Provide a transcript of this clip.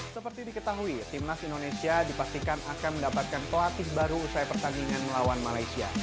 seperti diketahui timnas indonesia dipastikan akan mendapatkan pelatih baru usai pertandingan melawan malaysia